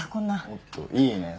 おっといいねえ。